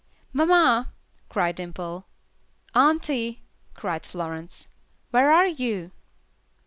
"Mamma," cried Dimple. "Auntie," cried Florence, "where are you?"